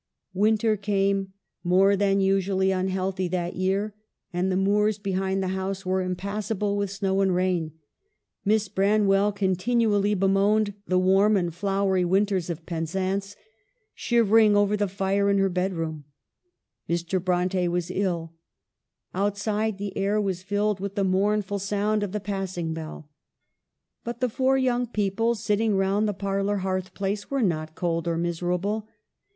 Winter came, more than usually unhealthy that year, and the moors behind the house were impassable with snow and rain. Miss Bran well continually bemoaned the warm and flow ery winters of Penzance, shivering over the fire in her bedroom ; Mr. Bronte was ill ; outside the air was filled with the mournful sound of the passing bell. But the four young people sitting round the parlor hearth place were not cold or miserable.